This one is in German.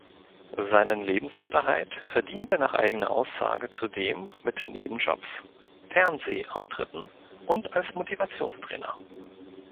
Seinen Lebensunterhalt verdient er nach eigener Aussage zudem mit Nebenjobs, Fernsehauftritten und als Motivationstrainer.